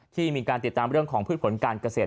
ที่มีการติดตามเรื่องของพืชผลการเกษตร